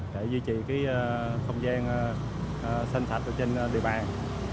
để duy trì cái không gian sanh sạch ở trên địa bàn